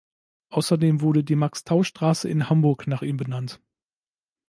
Außerdem wurde die Max-Tau-Straße in Hamburg nach ihm benannt.